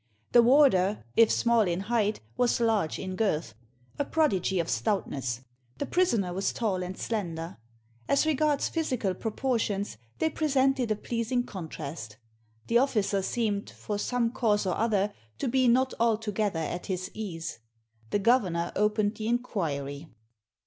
The warder, if small in height, was large in girth — a prodigy of stoutness. The prisoner was tall and slender. As r^ards physical proportions, they presented a pleas ing contrast The officer seemed, for some cause or other, to be not altogether at his ease. The governor opened the inquiry.